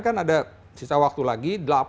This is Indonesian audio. kan ada sisa waktu lagi